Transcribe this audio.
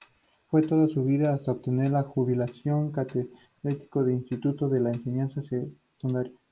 Fue toda su vida, hasta obtener la jubilación, catedrático de Instituto de Enseñanza Secundaria.